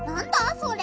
それ。